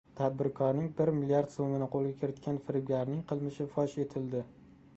Tadbirkorning bir mlrd so‘mini qo‘lga kiritgan firibgarning qilmishi fosh etildi